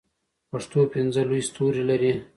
پښتو پنځه لوی ستوري لري.